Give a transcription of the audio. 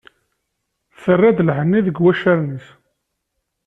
Terra-d lḥenni, deg wacaren-is.